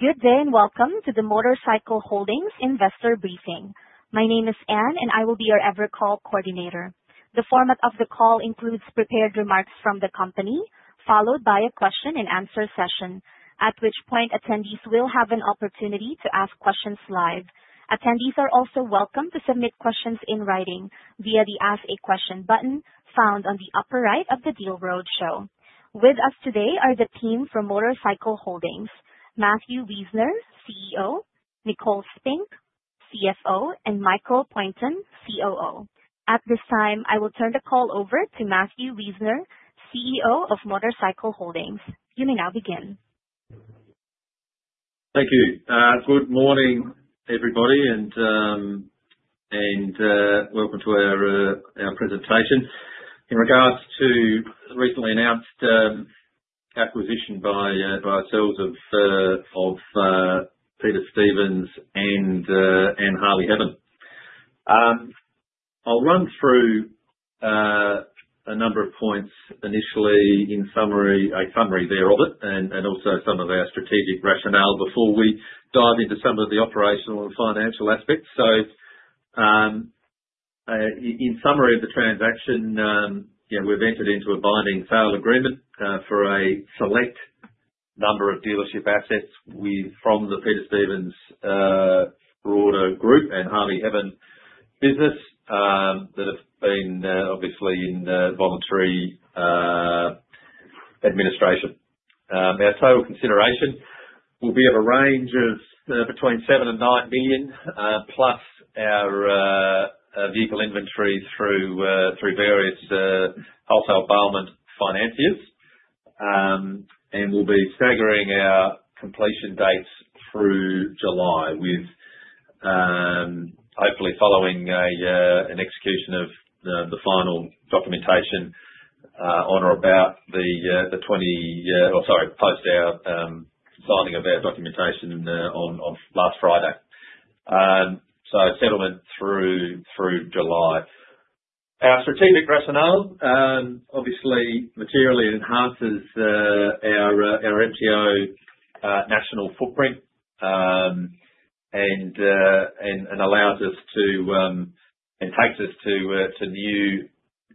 Good day and welcome to the MotorCycle Holdings investor briefing. My name is Anne, and I will be your ever-call coordinator. The format of the call includes prepared remarks from the company, followed by a question-and-answer session, at which point attendees will have an opportunity to ask questions live. Attendees are also welcome to submit questions in writing via the Ask a Question button found on the upper right of the Deal Roadshow. With us today are the team from MotorCycle Holdings: Matthew Wiesner, CEO; Nicole Spink, CFO; and Michael Poynton, COO. At this time, I will turn the call over to Matthew Wiesner, CEO of MotorCycle Holdings. You may now begin. Thank you. Good morning, everybody, and welcome to our presentation in regards to the recently announced acquisition by sales of Peter Stevens and Harley Heaven. I'll run through a number of points initially, a summary thereof it, and also some of our strategic rationale before we dive into some of the operational and financial aspects. In summary of the transaction, we've entered into a binding sale agreement for a select number of dealership assets from the Peter Stevens broader group and Harley Heaven business that have been obviously in voluntary administration. Our total consideration will be of a range of between 7 million-9 million, plus our vehicle inventory through various wholesale buyment financiers, and we'll be staggering our completion dates through July, hopefully following an execution of the final documentation on or about the 20—sorry, post our signing of our documentation on last Friday. Settlement through July. Our strategic rationale obviously materially enhances our MTO national footprint and allows us to and takes us to new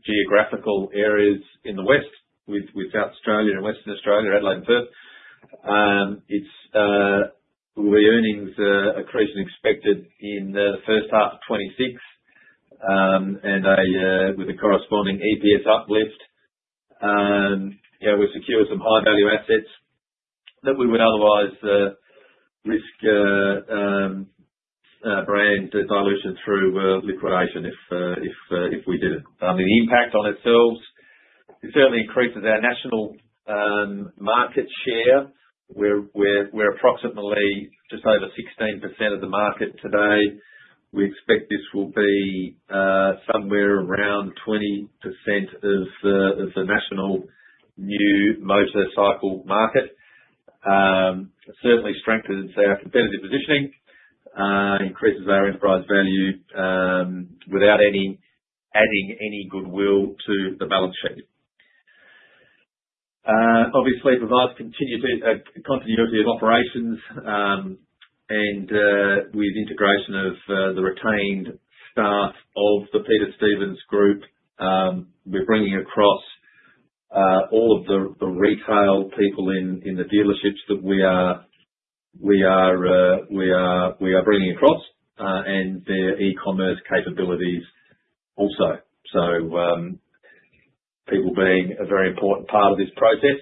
geographical areas in the West with South Australia and Western Australia, Adelaide and Perth. We'll be earnings, increasing expected in the first half of 2026 and with a corresponding EPS uplift. We've secured some high-value assets that we would otherwise risk brand dilution through liquidation if we didn't. The impact on ourselves certainly increases our national market share. We're approximately just over 16% of the market today. We expect this will be somewhere around 20% of the national new motorcycle market, certainly strengthens our competitive positioning, increases our enterprise value without adding any goodwill to the balance sheet. Obviously, it provides continuity of operations, and with integration of the retained staff of the Peter Stevens group, we're bringing across all of the retail people in the dealerships that we are bringing across and their e-commerce capabilities also. People being a very important part of this process.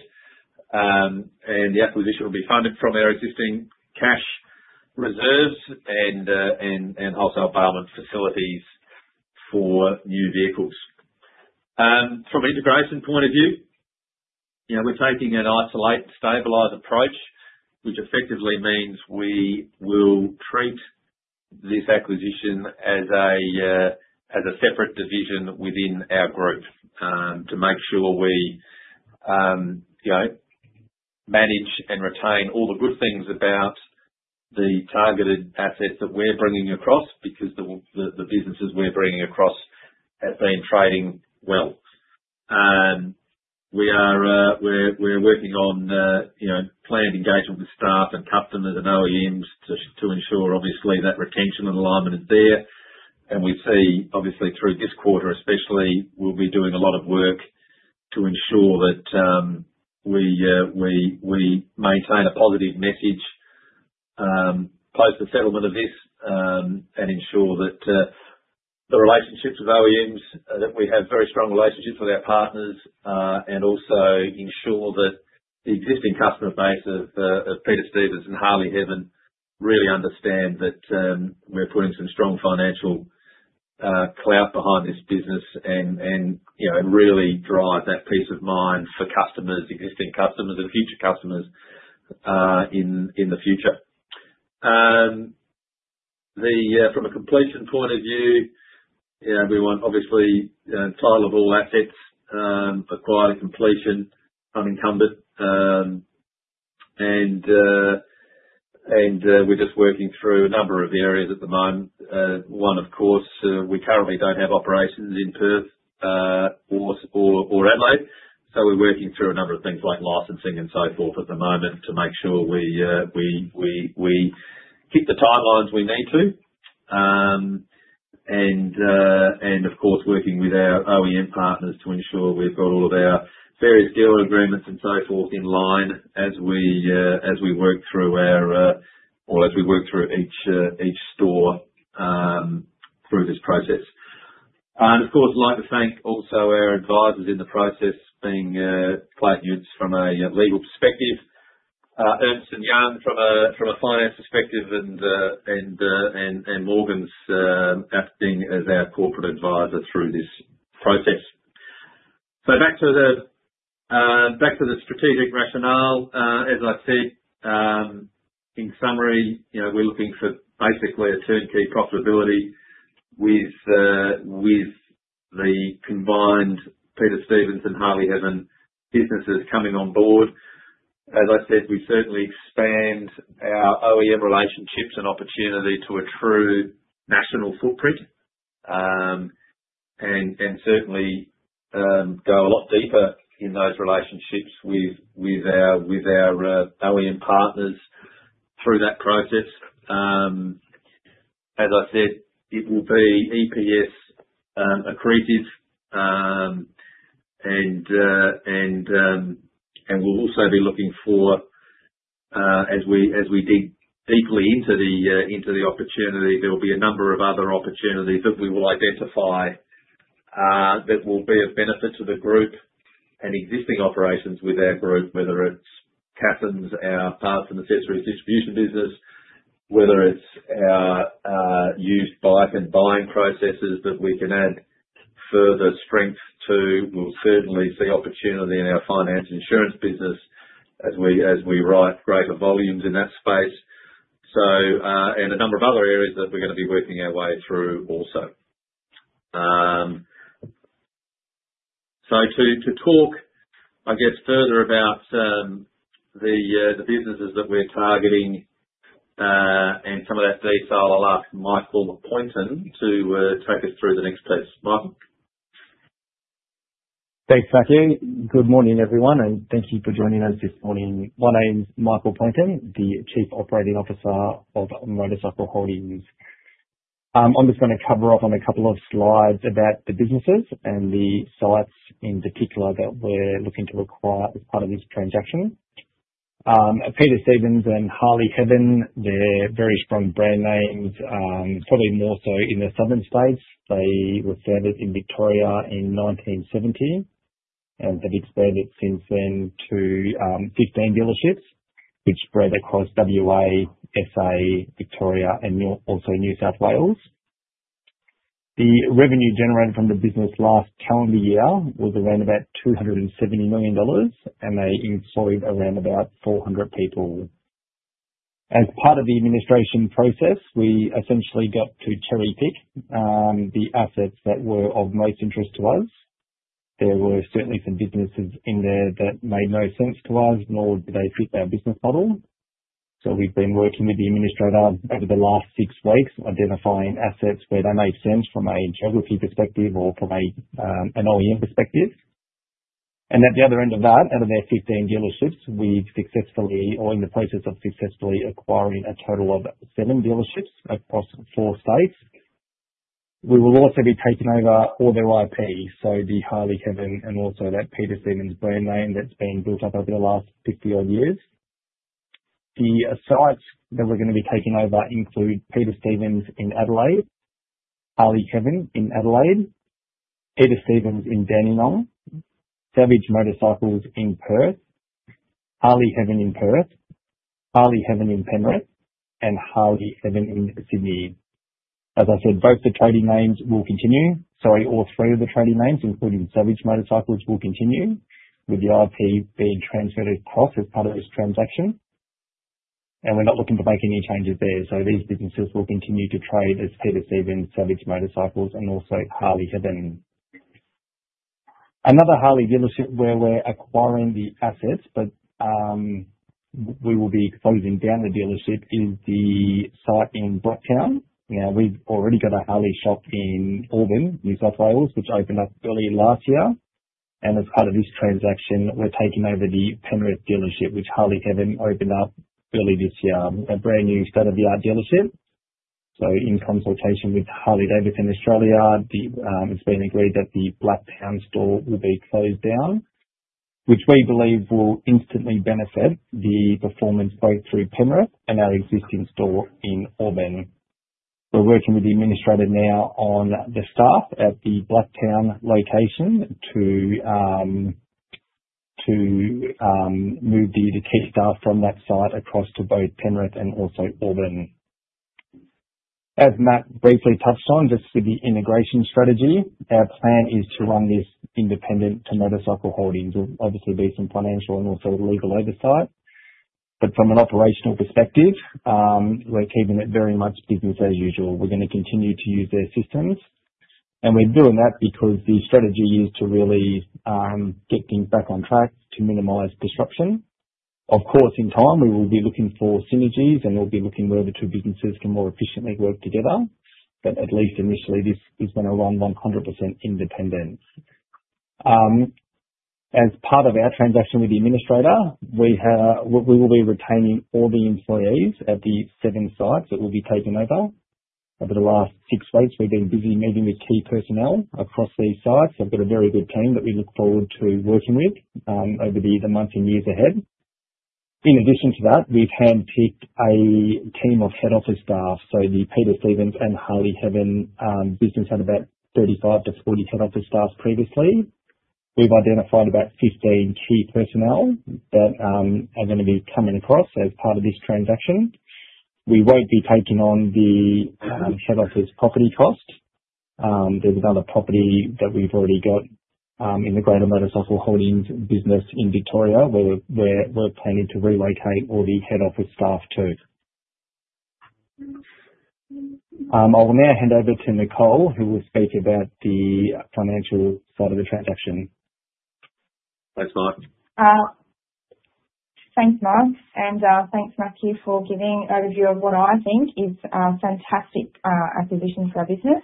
The acquisition will be funded from our existing cash reserves and wholesale buyment facilities for new vehicles. From an integration point of view, we're taking an isolate-stabilize approach, which effectively means we will treat this acquisition as a separate division within our group to make sure we manage and retain all the good things about the targeted assets that we're bringing across because the businesses we're bringing across have been trading well. We're working on planned engagement with staff and customers and OEMs to ensure, obviously, that retention and alignment is there. We see, obviously, through this quarter especially, we'll be doing a lot of work to ensure that we maintain a positive message post the settlement of this and ensure that the relationships with OEMs, that we have very strong relationships with our partners, and also ensure that the existing customer base of Peter Stevens and Harley Heaven really understand that we're putting some strong financial clout behind this business and really drive that peace of mind for customers, existing customers, and future customers in the future. From a completion point of view, we want, obviously, title of all assets acquired at completion, unencumbered, and we're just working through a number of areas at the moment. One, of course, we currently do not have operations in Perth or Adelaide, so we are working through a number of things like licensing and so forth at the moment to make sure we keep the timelines we need to. Of course, we are working with our OEM partners to ensure we have all of our various deal agreements and so forth in line as we work through each store through this process. I would also like to thank our advisors in the process, being Clayton Utz from a legal perspective, Ernst & Young from a finance perspective, and Morgan's acting as our corporate advisor through this process. Back to the strategic rationale. As I said, in summary, we are looking for basically a turnkey profitability with the combined Peter Stevens and Harley Heaven businesses coming on board. As I said, we certainly expand our OEM relationships and opportunity to a true national footprint and certainly go a lot deeper in those relationships with our OEM partners through that process. As I said, it will be EPS accretive, and we will also be looking for, as we dig deeply into the opportunity, there will be a number of other opportunities that we will identify that will be of benefit to the group and existing operations with our group, whether it is Catherine's, our parts and accessories distribution business, whether it is our used bike and buying processes that we can add further strength to. We will certainly see opportunity in our finance insurance business as we write greater volumes in that space and a number of other areas that we are going to be working our way through also. To talk, I guess, further about the businesses that we're targeting and some of that detail, I'll ask Michael Poynton to take us through the next steps. Michael. Thanks, Matthew. Good morning, everyone, and thank you for joining us this morning. My name's Michael Poynton, the Chief Operating Officer of MotorCycle Holdings. I'm just going to cover off on a couple of slides about the businesses and the sites in particular that we're looking to acquire as part of this transaction. Peter Stevens and Harley Heaven, they're very strong brand names, probably more so in the southern states. They were founded in Victoria in 1970, and they've expanded since then to 15 dealerships, which spread across WA, SA, Victoria, and also New South Wales. The revenue generated from the business last calendar year was around about 270 million dollars, and they employed around about 400 people. As part of the administration process, we essentially got to cherry-pick the assets that were of most interest to us. There were certainly some businesses in there that made no sense to us, nor did they fit our business model. So, we've been working with the administrator over the last six weeks, identifying assets where they made sense from a geography perspective or from an OEM perspective. At the other end of that, out of their 15 dealerships, we've successfully, or in the process of successfully, acquired a total of seven dealerships across four states. We will also be taking over all their IP, so the Harley Heaven and also that Peter Stevens brand name that's been built up over the last 50-odd years. The sites that we're going to be taking over include Peter Stevens in Adelaide, Harley Heaven in Adelaide, Peter Stevens in Dandenong, Savage Motorcycles in Perth, Harley Heaven in Perth, Harley Heaven in Penrith, and Harley Heaven in Sydney. As I said, both the trading names will continue, so all three of the trading names, including Savage Motorcycles, will continue, with the IP being transferred across as part of this transaction. We are not looking to make any changes there, so these businesses will continue to trade as Peter Stevens, Savage Motorcycles, and also Harley Heaven. Another Harley dealership where we are acquiring the assets, but we will be closing down the dealership, is the site in Blacktown. We have already got a Harley shop in Auburn, New South Wales, which opened up early last year. As part of this transaction, we are taking over the Penrith dealership, which Harley Heaven opened up early this year, a brand new state-of-the-art dealership. In consultation with Harley-Davidson Australia, it's been agreed that the Blacktown store will be closed down, which we believe will instantly benefit the performance both through Penrith and our existing store in Auburn. We're working with the administrator now on the staff at the Blacktown location to move the key staff from that site across to both Penrith and also Auburn. As Matt briefly touched on, just with the integration strategy, our plan is to run this independent to MotorCycle Holdings. there will obviously be some financial and also legal oversight, but from an operational perspective, we're keeping it very much business as usual. We're going to continue to use their systems, and we're doing that because the strategy is to really get things back on track to minimize disruption. Of course, in time, we will be looking for synergies, and we'll be looking where the two businesses can more efficiently work together, but at least initially, this is going to run 100% independent. As part of our transaction with the administrator, we will be retaining all the employees at the seven sites that we'll be taking over. Over the last six weeks, we've been busy meeting with key personnel across these sites. They've got a very good team that we look forward to working with over the months and years ahead. In addition to that, we've handpicked a team of head office staff. The Peter Stevens and Harley Heaven business had about 35-40 head office staff previously. We've identified about 15 key personnel that are going to be coming across as part of this transaction. We won't be taking on the head office property cost. There's another property that we've already got in the greater MotorCycle Holdings business in Victoria where we're planning to relocate all the head office staff to. I will now hand over to Nicole, who will speak about the financial side of the transaction. Thanks, Mike. Thanks, Mark, and thanks, Matthew, for giving an overview of what I think is a fantastic acquisition for our business.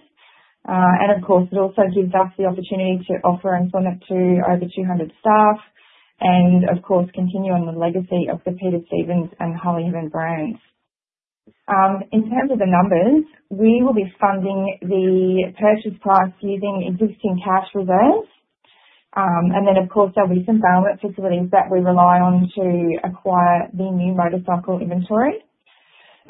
It also gives us the opportunity to offer employment to over 200 staff and, of course, continue on the legacy of the Peter Stevens and Harley Heaven brands. In terms of the numbers, we will be funding the purchase price using existing cash reserves. There will be some buying facilities that we rely on to acquire the new motorcycle inventory.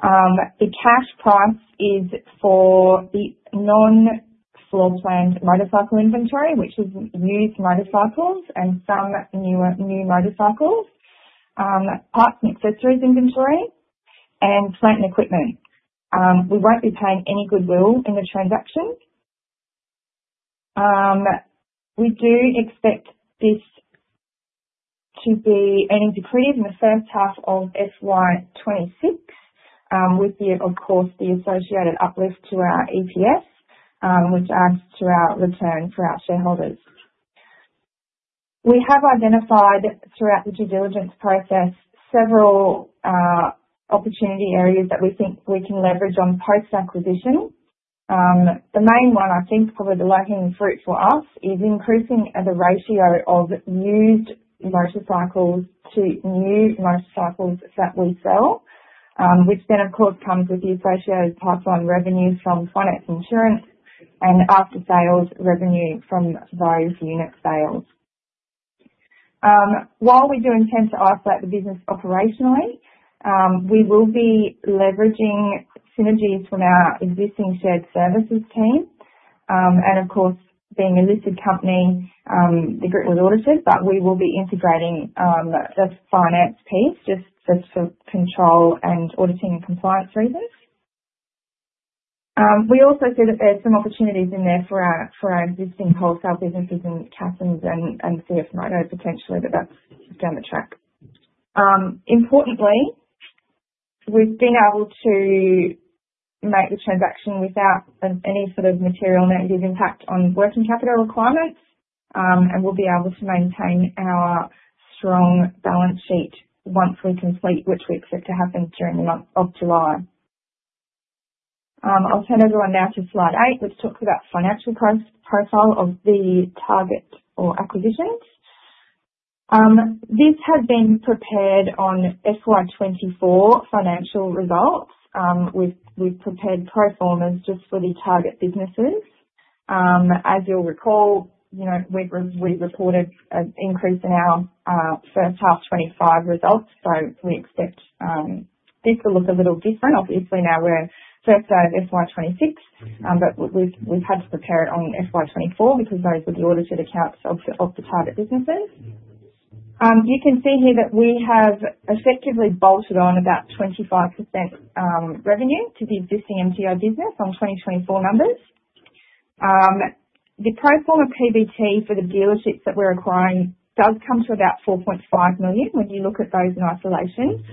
The cash price is for the non-floor plan motorcycle inventory, which is used motorcycles and some new motorcycles, parts and accessories inventory, and plant and equipment. We will not be paying any goodwill in the transaction. We do expect this to be earnings accretive in the first half of FY26, with, of course, the associated uplift to our EPS, which adds to our return for our shareholders. We have identified throughout the due diligence process several opportunity areas that we think we can leverage on post-acquisition. The main one, I think, probably the low-hanging fruit for us, is increasing the ratio of used motorcycles to new motorcycles that we sell, which then, of course, comes with the associated pipeline revenue from finance insurance and after-sales revenue from those unit sales. While we do intend to isolate the business operationally, we will be leveraging synergies from our existing shared services team. Of course, being a listed company, the group was audited, but we will be integrating the finance piece just for control and auditing and compliance reasons. We also see that there's some opportunities in there for our existing wholesale businesses in Catherine's and CF Moto potentially, but that's down the track. Importantly, we've been able to make the transaction without any sort of material negative impact on working capital requirements, and we'll be able to maintain our strong balance sheet once we complete, which we expect to happen during the month of July. I'll turn everyone now to slide 8, which talks about the financial profile of the target or acquisitions. This had been prepared on FY24 financial results with prepared pro formas just for the target businesses. As you'll recall, we reported an increase in our first half 25 results, so we expect this to look a little different. Obviously, now we're first day of FY26, but we've had to prepare it on FY24 because those were the audited accounts of the target businesses. You can see here that we have effectively bolted on about 25% revenue to the existing MTO business on 2024 numbers. The pro forma PBT for the dealerships that we're acquiring does come to about 4.5 million when you look at those in isolation.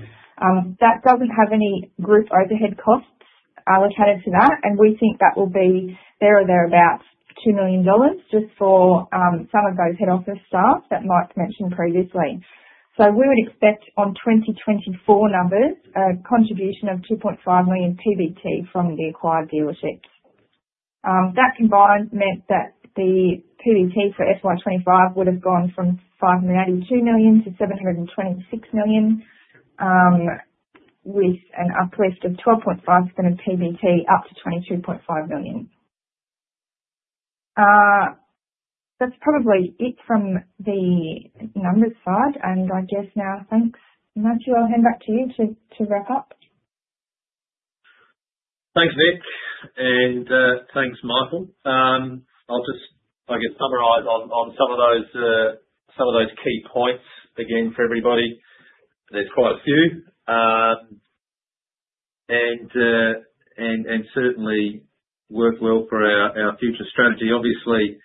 That doesn't have any group overhead costs allocated to that, and we think that will be there or thereabouts 2 million dollars just for some of those head office staff that Mark mentioned previously. We would expect on 2024 numbers, a contribution of 2.5 million PBT from the acquired dealerships. That combined meant that the PBT for FY25 would have gone from 5.82 million to 7.26 million, with an uplift of 12.5% of PBT up to 22.5 million. That's probably it from the numbers side, and I guess now, thanks, Matthew. I'll hand back to you to wrap up. Thanks, Nick, and thanks, Michael. I'll just, I guess, summarize on some of those key points again for everybody. There's quite a few, and certainly work well for our future strategy. Obviously,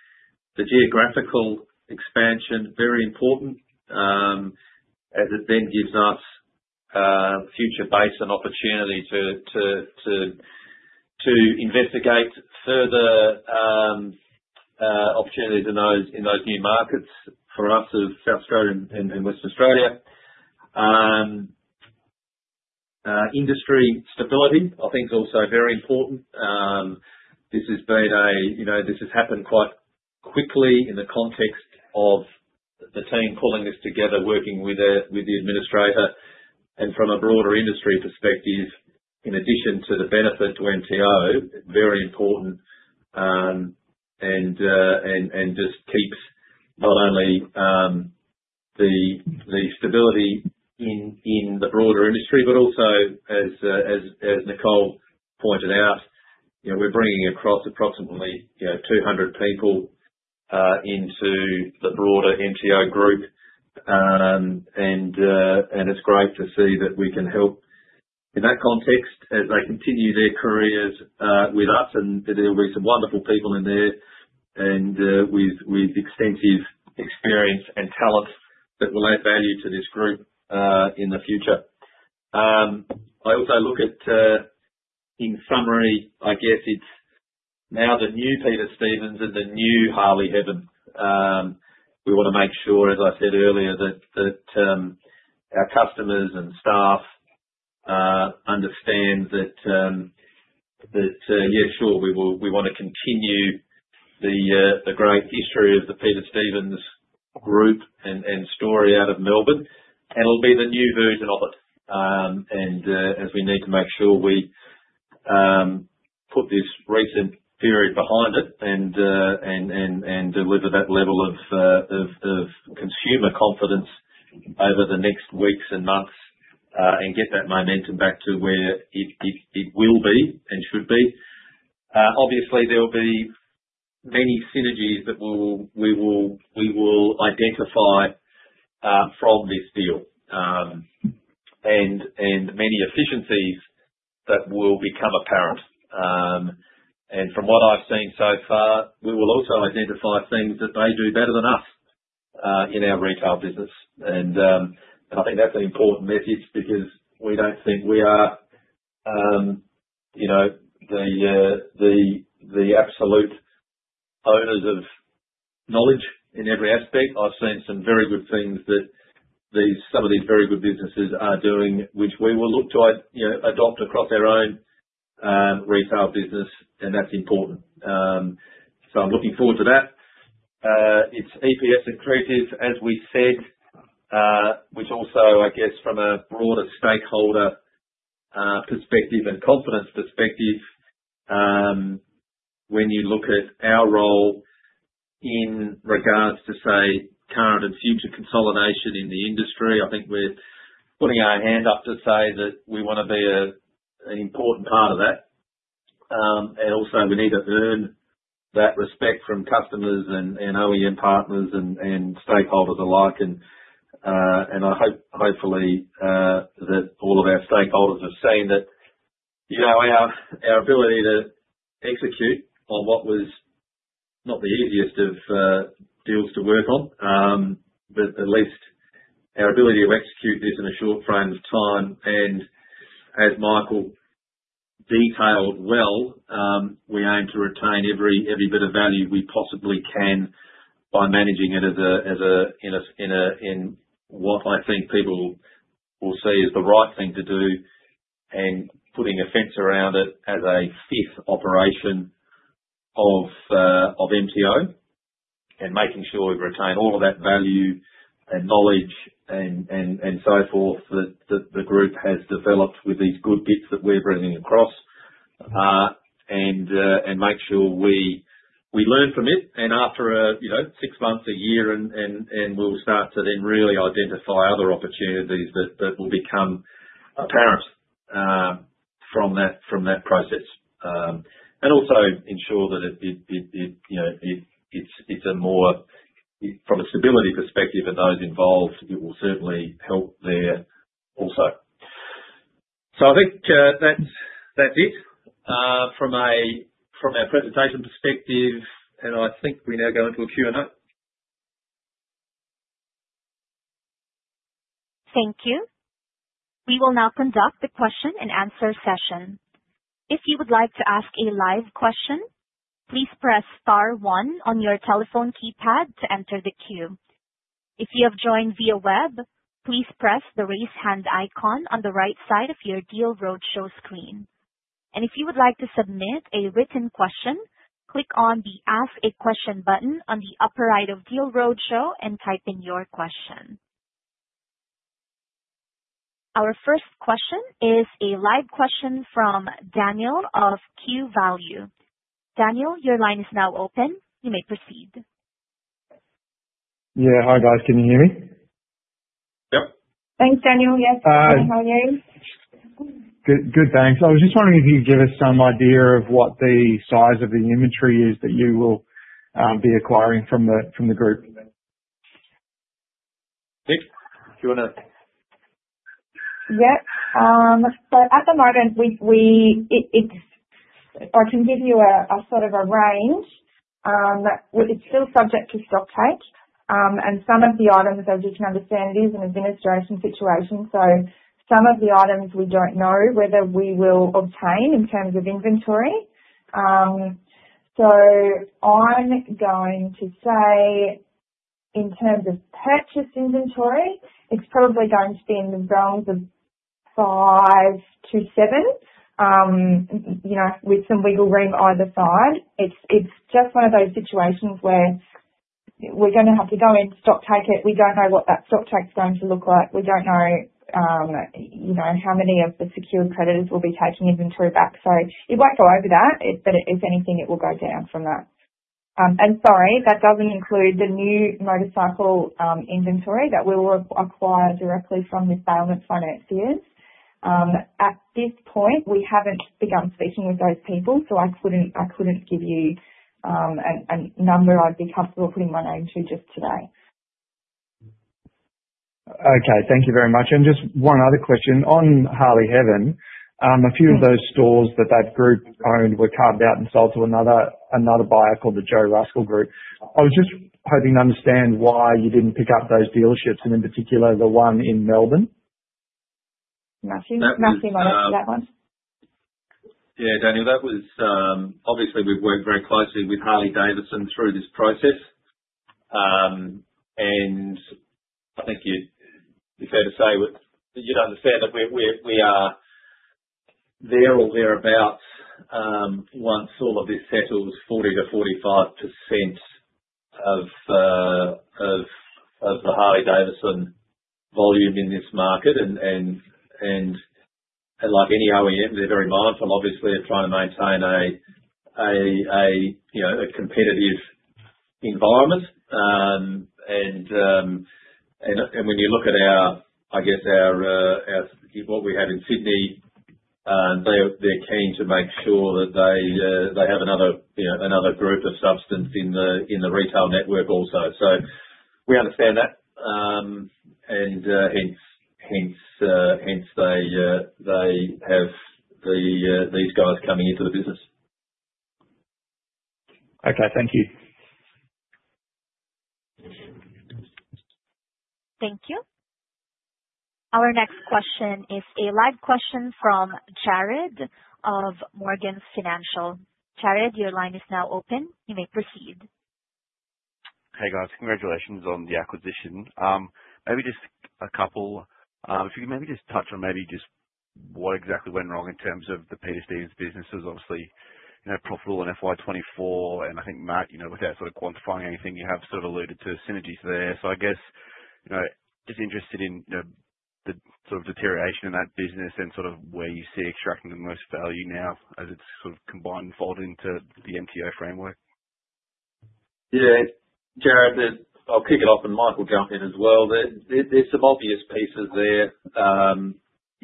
the geographical expansion, very important, as it then gives us future base and opportunity to investigate further opportunities in those new markets for us of South Australia and Western Australia. Industry stability, I think, is also very important. This has happened quite quickly in the context of the team pulling this together, working with the administrator, and from a broader industry perspective, in addition to the benefit to MTO, very important, and just keeps not only the stability in the broader industry, but also, as Nicole pointed out, we're bringing across approximately 200 people into the broader MTO group, and it's great to see that we can help in that context as they continue their careers with us. There will be some wonderful people in there with extensive experience and talent that will add value to this group in the future. I also look at, in summary, I guess it's now the new Peter Stevens and the new Harley Heaven. We want to make sure, as I said earlier, that our customers and staff understand that, yeah, sure, we want to continue the great history of the Peter Stevens group and story out of Melbourne, and it will be the new version of it. As we need to make sure we put this recent period behind it and deliver that level of consumer confidence over the next weeks and months and get that momentum back to where it will be and should be. Obviously, there will be many synergies that we will identify from this deal and many efficiencies that will become apparent. From what I have seen so far, we will also identify things that they do better than us in our retail business. I think that is an important message because we do not think we are the absolute owners of knowledge in every aspect. I've seen some very good things that some of these very good businesses are doing, which we will look to adopt across our own retail business, and that's important. I'm looking forward to that. It's EPS accretive, as we said, which also, I guess, from a broader stakeholder perspective and confidence perspective, when you look at our role in regards to, say, current and future consolidation in the industry, I think we're putting our hand up to say that we want to be an important part of that. We need to earn that respect from customers and OEM partners and stakeholders alike. I hope that all of our stakeholders have seen that our ability to execute on what was not the easiest of deals to work on, but at least our ability to execute this in a short frame of time. As Michael detailed well, we aim to retain every bit of value we possibly can by managing it in what I think people will see as the right thing to do and putting a fence around it as a fifth operation of MTO and making sure we retain all of that value and knowledge and so forth that the group has developed with these good bits that we're bringing across and make sure we learn from it. After six months, a year, and we'll start to then really identify other opportunities that will become apparent from that process and also ensure that it's more from a stability perspective for those involved, it will certainly help there also. I think that's it from our presentation perspective, and I think we now go into a Q&A. Thank you. We will now conduct the question and answer session. If you would like to ask a live question, please press star one on your telephone keypad to enter the queue. If you have joined via web, please press the raise hand icon on the right side of your Deal Roadshow screen. If you would like to submit a written question, click on the Ask a Question button on the upper right of Deal Roadshow and type in your question. Our first question is a live question from Daniel of QValue. Daniel, your line is now open. You may proceed. Yeah. Hi, guys. Can you hear me? Yep. Thanks, Daniel. Yes. Hi. Can you hear me? Good. Thanks. I was just wondering if you could give us some idea of what the size of the inventory is that you will be acquiring from the group. Nick, do you want to? Yep. At the moment, I can give you a sort of a range. It is still subject to stocktake, and some of the items, as you can understand, it is an administration situation. Some of the items we do not know whether we will obtain in terms of inventory. I am going to say in terms of purchase inventory, it is probably going to be in the realms of 5-7 with some wiggle room either side. It is just one of those situations where we are going to have to go in, stocktake it. We do not know what that stocktake is going to look like. We do not know how many of the secure creditors will be taking inventory back. It will not go over that, but if anything, it will go down from that. Sorry, that does not include the new motorcycle inventory that we will acquire directly from the buying and finance years. At this point, we have not begun speaking with those people, so I could not give you a number I would be comfortable putting my name to just today. Okay. Thank you very much. Just one other question. On Harley Heaven, a few of those stores that that group owned were carved out and sold to another buyer called the Joe Ruskell Group. I was just hoping to understand why you did not pick up those dealerships and, in particular, the one in Melbourne? Matthew? Matthew, I'll answer that one. Yeah, Daniel, that was obviously, we've worked very closely with Harley-Davidson through this process. I think it's fair to say you'd understand that we are there or thereabouts once all of this settles, 40%-45% of the Harley-Davidson volume in this market. Like any OEM, they're very mindful, obviously, of trying to maintain a competitive environment. When you look at, I guess, what we have in Sydney, they're keen to make sure that they have another group of substance in the retail network also. We understand that, and hence they have these guys coming into the business. Okay. Thank you. Thank you. Our next question is a live question from Jared of Morgan Financial. Jared, your line is now open. You may proceed. Hey, guys. Congratulations on the acquisition. Maybe just a couple if you could maybe just touch on maybe just what exactly went wrong in terms of the Peter Stevens business. It was obviously profitable in FY24, and I think, Matt, without sort of quantifying anything, you have sort of alluded to synergies there. I guess just interested in the sort of deterioration in that business and sort of where you see extracting the most value now as it's sort of combined and folded into the MTO framework. Yeah. Jared, I'll kick it off, and Michael will jump in as well. There's some obvious pieces there.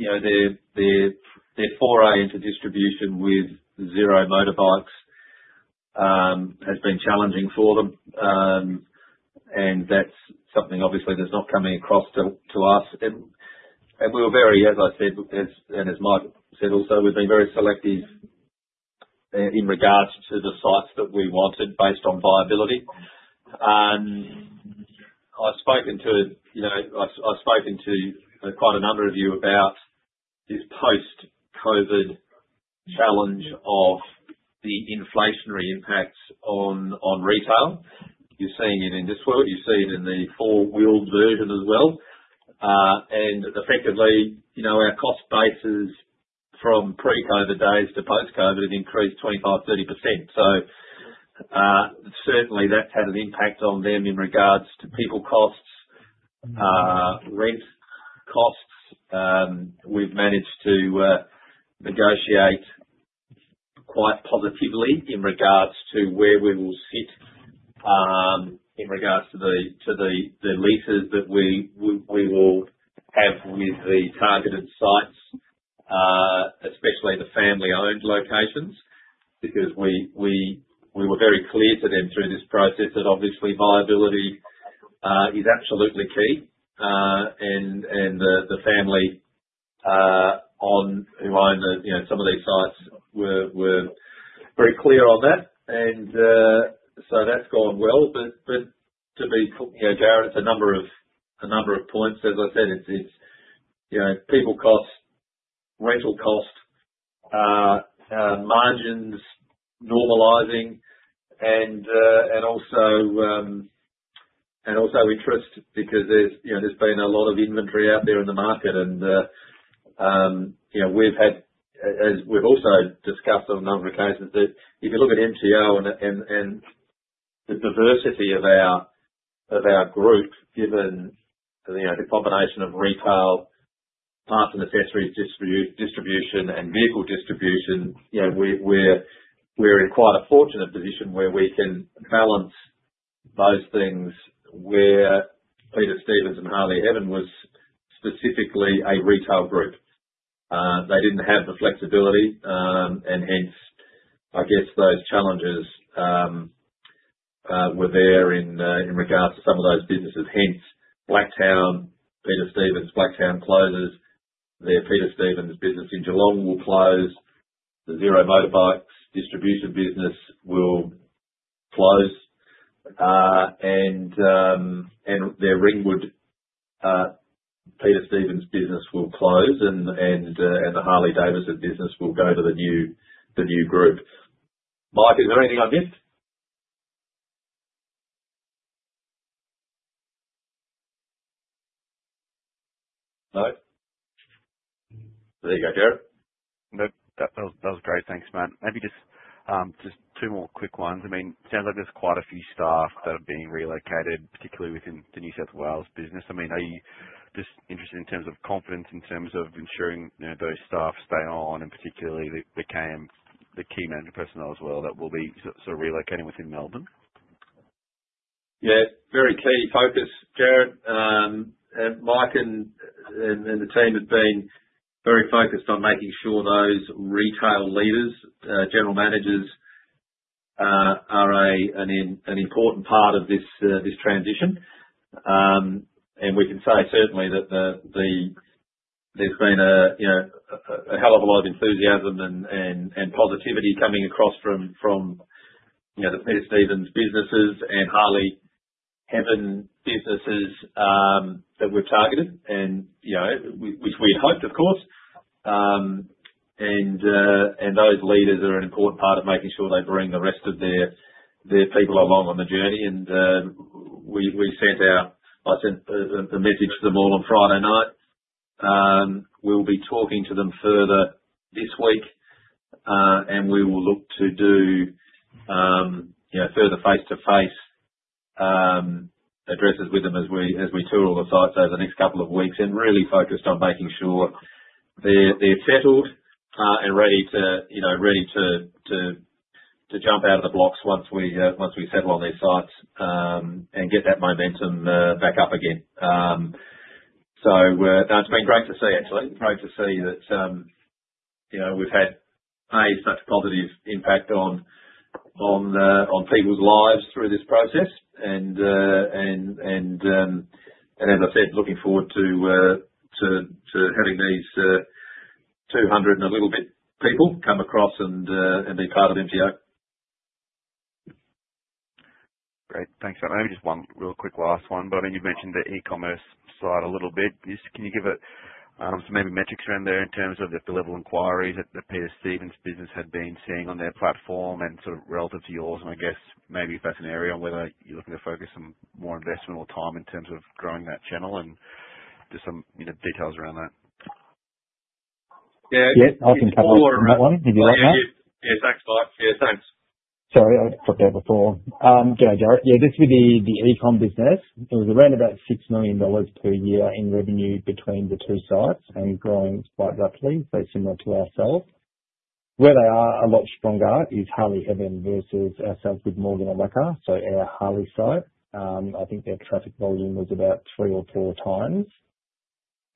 Their foray into distribution with Zero Motorcycles has been challenging for them, and that's something, obviously, that's not coming across to us. And we were very, as I said, and as Mike said also, we've been very selective in regards to the sites that we wanted based on viability. I've spoken to quite a number of you about this post-COVID challenge of the inflationary impacts on retail. You're seeing it in this world. You see it in the four-wheeled version as well. Effectively, our cost bases from pre-COVID days to post-COVID have increased 25%-30%. Certainly, that's had an impact on them in regards to people costs, rent costs. We've managed to negotiate quite positively in regards to where we will sit in regards to the leases that we will have with the targeted sites, especially the family-owned locations, because we were very clear to them through this process that, obviously, viability is absolutely key. The family who owned some of these sites were very clear on that. That has gone well. To be clear, Jared, it's a number of points. As I said, it's people costs, rental costs, margins normalizing, and also interest because there's been a lot of inventory out there in the market. We have had, as we have also discussed on a number of occasions, that if you look at MTO and the diversity of our group, given the combination of retail, parts and accessories distribution, and vehicle distribution, we are in quite a fortunate position where we can balance those things where Peter Stevens and Harley Heaven was specifically a retail group. They did not have the flexibility, and hence, I guess those challenges were there in regards to some of those businesses. Hence, Blacktown, Peter Stevens, Blacktown closes. Their Peter Stevens business in Geelong will close. The Zero Motorcycles distribution business will close. And their Ringwood Peter Stevens business will close, and the Harley-Davidson business will go to the new group. Mike, is there anything I missed? No? There you go, Jared. Nope. That was great. Thanks, Matt. Maybe just two more quick ones. I mean, it sounds like there's quite a few staff that are being relocated, particularly within the New South Wales business. I mean, are you just interested in terms of confidence, in terms of ensuring those staff stay on, and particularly the key manager personnel as well that will be sort of relocating within Melbourne? Yeah. Very key focus, Jared. Mike and the team have been very focused on making sure those retail leaders, general managers, are an important part of this transition. We can say, certainly, that there's been a hell of a lot of enthusiasm and positivity coming across from the Peter Stevens businesses and Harley Heaven businesses that were targeted, which we had hoped, of course. Those leaders are an important part of making sure they bring the rest of their people along on the journey. We sent a message to them all on Friday night. We'll be talking to them further this week, and we will look to do further face-to-face addresses with them as we tour all the sites over the next couple of weeks and really focused on making sure they're settled and ready to jump out of the blocks once we settle on their sites and get that momentum back up again. It has been great to see, actually. Great to see that we've had such a positive impact on people's lives through this process. As I said, looking forward to having these 200 and a little bit people come across and be part of MTO. Great. Thanks, Matt. Maybe just one real quick last one. I mean, you've mentioned the e-commerce side a little bit. Can you give us some maybe metrics around there in terms of the level of inquiries that the Peter Stevens business had been seeing on their platform and sort of relative to yours? I guess maybe if that's an area on whether you're looking to focus some more investment or time in terms of growing that channel and just some details around that. Yeah. Yeah. I can come up with that one, if you like, Matt. Yeah. Thanks, Mike. Thanks. Sorry, I dropped out before. Yeah, Jared. Yeah, this would be the e-com business. It was around about 6 million dollars per year in revenue between the two sites and growing quite rapidly, so similar to ourselves. Where they are a lot stronger is Harley Heaven versus ourselves with Morgan & Wacker, so our Harley site. I think their traffic volume was about three or four times.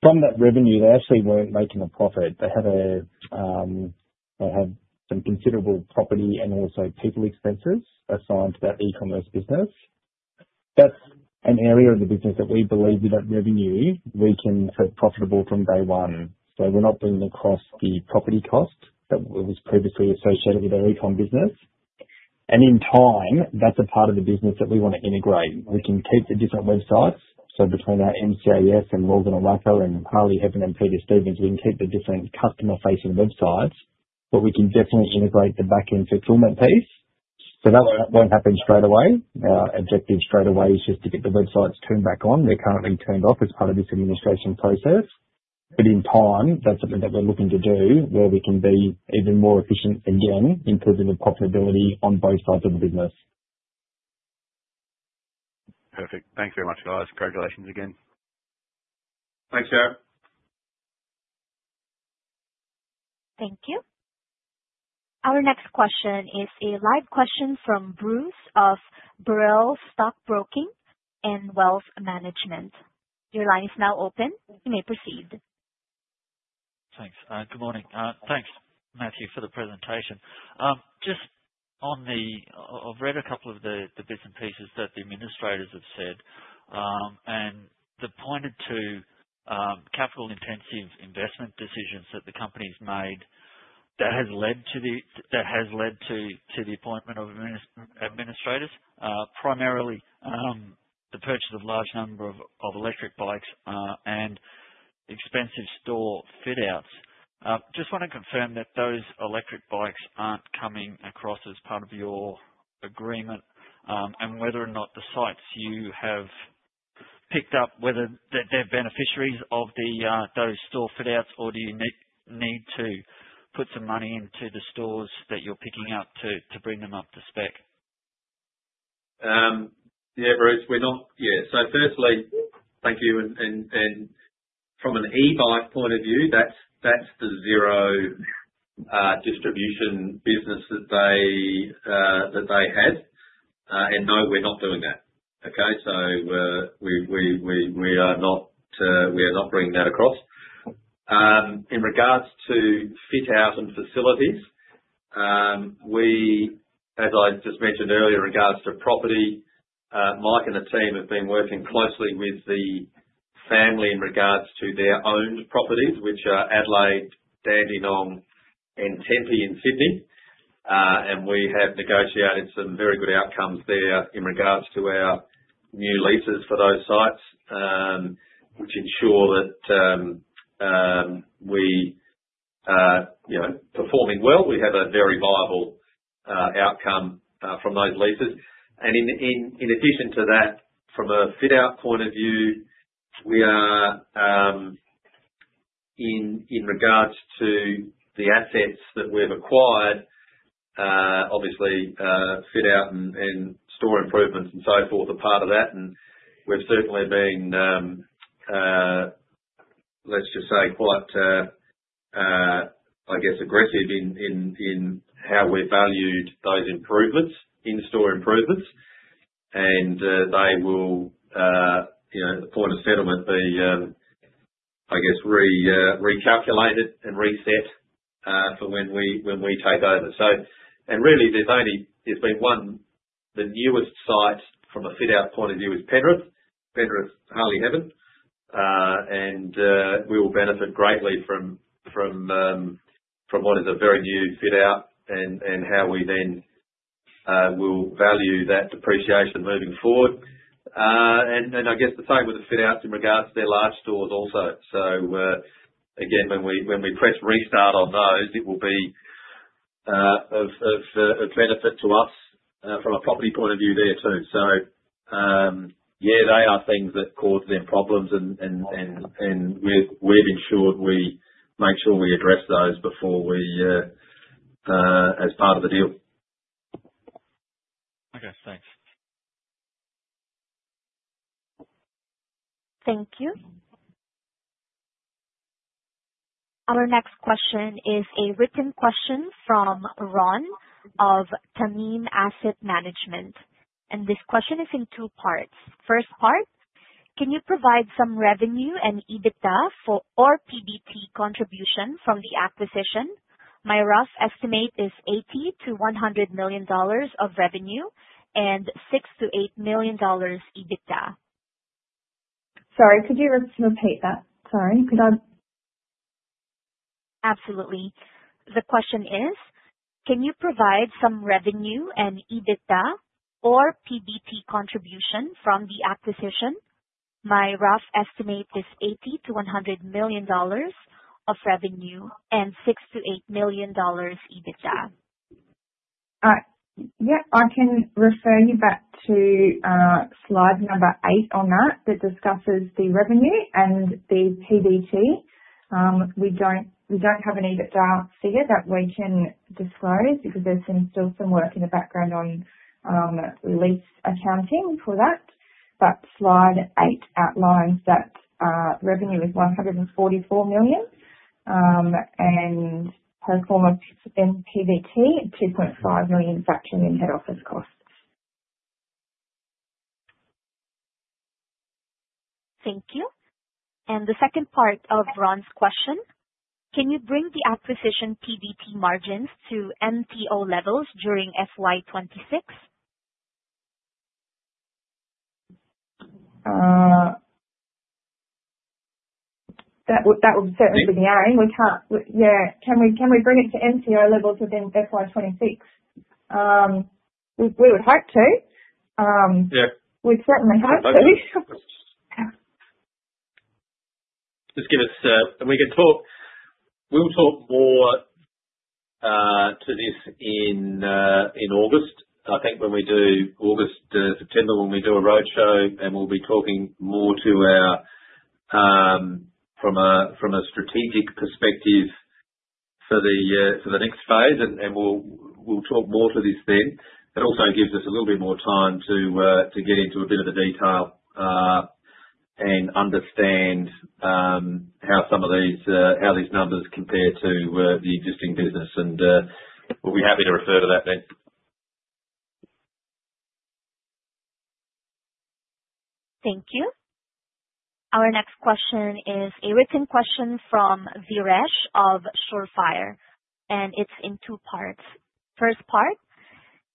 From that revenue, they actually were not making a profit. They had some considerable property and also people expenses assigned to that e-commerce business. That is an area of the business that we believe with that revenue, we can have profitable from day one. We are not bringing across the property cost that was previously associated with our e-com business. In time, that is a part of the business that we want to integrate. We can keep the different websites. Between our MCAS and Morgan & Wacker and Harley Heaven and Peter Stevens, we can keep the different customer-facing websites, but we can definitely integrate the backend fulfillment piece. That will not happen straight away. Our objective straight away is just to get the websites turned back on. They are currently turned off as part of this administration process. In time, that is something that we are looking to do where we can be even more efficient again, improving the profitability on both sides of the business. Perfect. Thanks very much, guys. Congratulations again. Thanks, Jared. Thank you. Our next question is a live question from Bruce of BURRELL Stockbroking and Wealth Management. Your line is now open. You may proceed. Thanks. Good morning. Thanks, Matthew, for the presentation. Just on the I've read a couple of the bits and pieces that the administrators have said, and they've pointed to capital-intensive investment decisions that the company's made that has led to the that has led to the appointment of administrators, primarily the purchase of a large number of electric bikes and expensive store fit-outs. Just want to confirm that those electric bikes aren't coming across as part of your agreement and whether or not the sites you have picked up, whether they're beneficiaries of those store fit-outs, or do you need to put some money into the stores that you're picking up to bring them up to spec? Yeah, Bruce, we're not. Yeah. Firstly, thank you. From an e-bike point of view, that's the Zero distribution business that they had. No, we're not doing that. Okay? We are not bringing that across. In regards to fit-out and facilities, as I just mentioned earlier, in regards to property, Mike and the team have been working closely with the family in regards to their owned properties, which are Adelaide, Dandenong, and Tempe in Sydney. We have negotiated some very good outcomes there in regards to our new leases for those sites, which ensure that we are performing well. We have a very viable outcome from those leases. In addition to that, from a fit-out point of view, we are, in regards to the assets that we've acquired, obviously, fit-out and store improvements and so forth are part of that. We have certainly been, let's just say, quite, I guess, aggressive in how we've valued those improvements in store improvements. They will, upon settlement, be, I guess, recalculated and reset for when we take over. Really, the newest site from a fit-out point of view is Penrith, Harley Heaven. We will benefit greatly from what is a very new fit-out and how we then will value that depreciation moving forward. I guess the same with the fit-outs in regards to their large stores also. Again, when we press restart on those, it will be of benefit to us from a property point of view there too. Yeah, they are things that cause them problems, and we've ensured we make sure we address those before we as part of the deal. Okay. Thanks. Thank you. Our next question is a written question from Ron of TAMIN Asset Management. This question is in two parts. First part, can you provide some revenue and EBITDA or PBT contribution from the acquisition? My rough estimate is 80 million-100 million dollars of revenue and 6 million-8 million dollars EBITDA. Sorry, could you repeat that? Sorry, could I? Absolutely. The question is, can you provide some revenue and EBITDA or PBT contribution from the acquisition? My rough estimate is 80 million-100 million dollars of revenue and 6 million-8 million dollars EBITDA. Yeah. I can refer you back to slide number eight on that that discusses the revenue and the PBT. We do not have an EBITDA figure that we can disclose because there has been still some work in the background on release accounting for that. But slide eight outlines that revenue is AUD 144 million and pro forma PBT AUD 2.5 million factoring in head office costs. Thank you. The second part of Ron's question, can you bring the acquisition PBT margins to MTO levels during FY26? That would certainly be the aim. Yeah. Can we bring it to MTO levels within FY26? We would hope to. We'd certainly hope to. Just give us a we'll talk more to this in August. I think when we do August, September, when we do a roadshow, and we'll be talking more to our from a strategic perspective for the next phase. We'll talk more to this then. It also gives us a little bit more time to get into a bit of the detail and understand how some of these numbers compare to the existing business. We'll be happy to refer to that then. Thank you. Our next question is a written question from Vireesh of SureFire. And it's in two parts. First part,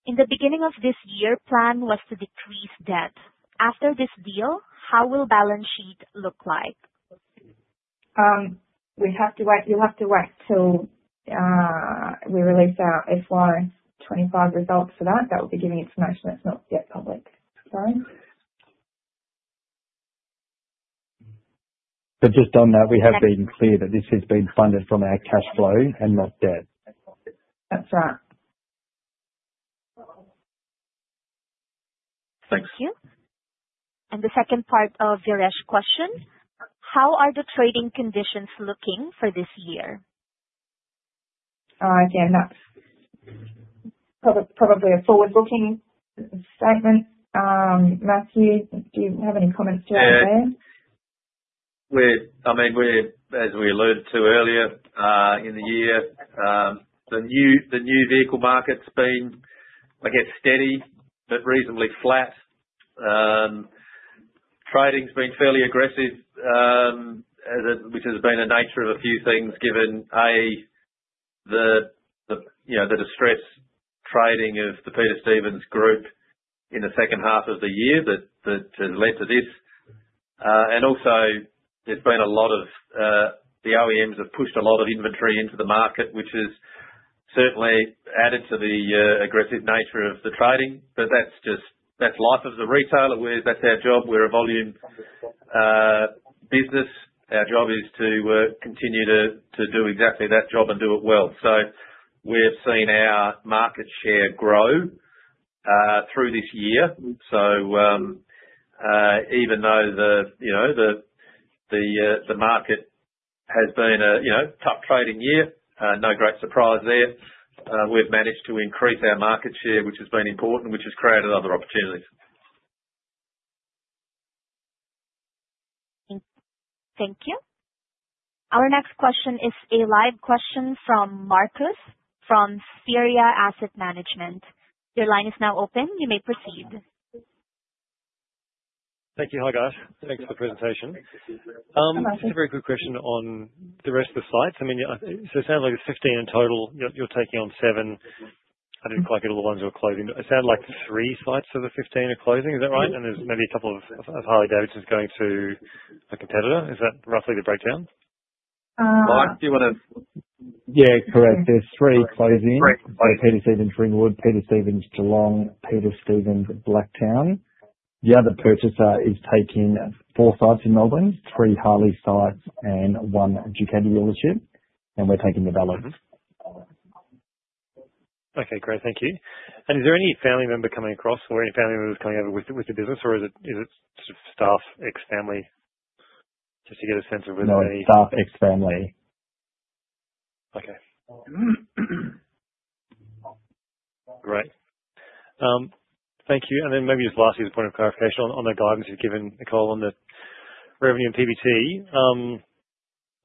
in the beginning of this year, plan was to decrease debt. After this deal, how will the balance sheet look like? You'll have to wait till we release our FY25 results for that. That will be giving information that's not yet public. Sorry. Just on that, we have been clear that this has been funded from our cash flow and not debt. That's right. Thank you. Thank you. The second part of Vireesh's question, how are the trading conditions looking for this year? Again, that's probably a forward-looking statement. Matthew, do you have any comments to add there? Yeah. I mean, as we alluded to earlier in the year, the new vehicle market's been, I guess, steady but reasonably flat. Trading's been fairly aggressive, which has been a nature of a few things given, A, the distressed trading of the Peter Stevens group in the second half of the year that has led to this. Also, there's been a lot of the OEMs have pushed a lot of inventory into the market, which has certainly added to the aggressive nature of the trading. That's life of the retailer. That's our job. We're a volume business. Our job is to continue to do exactly that job and do it well. We've seen our market share grow through this year. Even though the market has been a tough trading year, no great surprise there, we've managed to increase our market share, which has been important, which has created other opportunities. Thank you. Our next question is a live question from Marcus from Sierra Asset Management. Your line is now open. You may proceed. Thank you. Hi, guys. Thanks for the presentation. Just a very quick question on the rest of the sites. I mean, it sounds like there are 15 in total. You're taking on 7. I didn't quite get all the ones that were closing. It sounds like 3 sites of the 15 are closing. Is that right? There are maybe a couple of Harley-Davidsons going to a competitor. Is that roughly the breakdown? Mike, do you want to? Yeah. Correct. There are three closing: Peter Stevens Ringwood, Peter Stevens Geelong, Peter Stevens Blacktown. The other purchaser is taking four sites in Melbourne, three Harley sites, and one Ducati dealership. We are taking the balance. Okay. Great. Thank you. Is there any family member coming across or any family members coming over with the business, or is it sort of staff, ex-family? Just to get a sense of whether there is any. No. Staff, ex-family. Okay. Great. Thank you. Maybe just lastly, as a point of clarification on the guidance you've given, Nicole, on the revenue and PBT,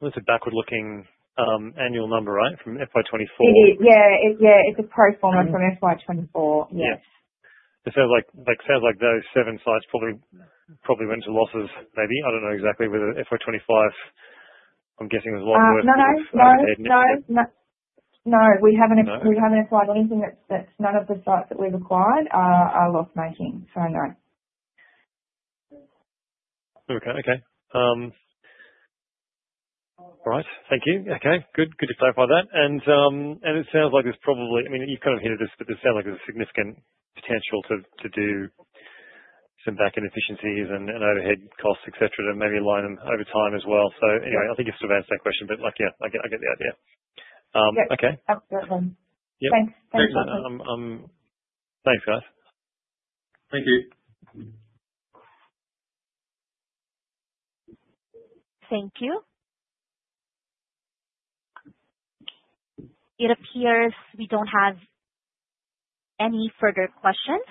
it's a backward-looking annual number, right, from FY2024? It is. Yeah. Yeah. It's a pro forma from FY24. Yes. Yeah. It sounds like those seven sites probably went to losses, maybe. I do not know exactly whether FY25, I am guessing, was a lot worse than what they had. No. We haven't acquired anything that's none of the sites that we've acquired are loss-making. So no. Okay. Okay. All right. Thank you. Okay. Good to clarify that. It sounds like there's probably, I mean, you've kind of hinted at this, but there sounds like there's a significant potential to do some backend efficiencies and overhead costs, etc., to maybe align them over time as well. Anyway, I think you've sort of answered that question. Yeah, I get the idea. Okay. Yeah. Absolutely. Thanks. Thanks, Martin. Thanks, guys. Thank you. Thank you. It appears we do not have any further questions.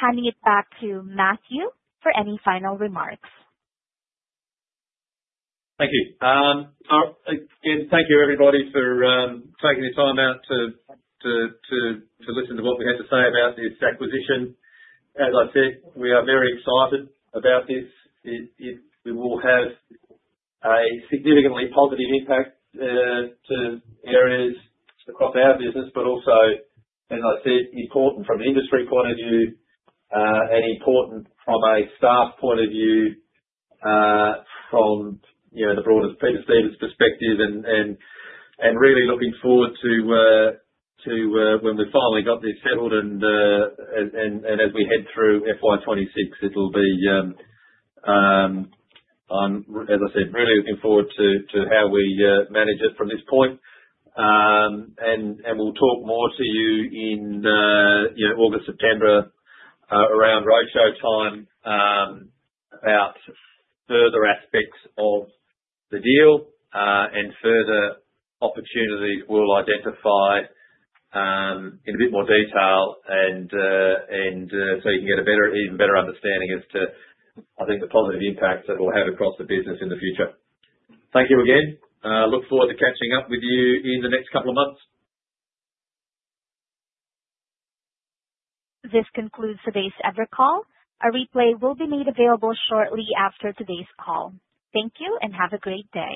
Handing it back to Matthew for any final remarks. Thank you. Again, thank you, everybody, for taking the time out to listen to what we had to say about this acquisition. As I said, we are very excited about this. It will have a significantly positive impact to areas across our business, but also, as I said, important from an industry point of view and important from a staff point of view from the broader Peter Stevens perspective. I am really looking forward to when we finally got this settled and as we head through FY26, it'll be, as I said, really looking forward to how we manage it from this point. We will talk more to you in August, September, around roadshow time about further aspects of the deal and further opportunities we will identify in a bit more detail so you can get an even better understanding as to, I think, the positive impact that it will have across the business in the future. Thank you again. Look forward to catching up with you in the next couple of months. This concludes today's call. A replay will be made available shortly after today's call. Thank you and have a great day.